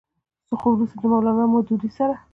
خو وروستو د مولانا مودودي سره